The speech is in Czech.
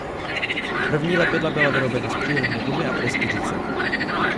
První lepidla byla vyrobena z přírodní gumy a pryskyřice.